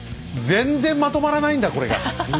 全然まとまらないんだこれが。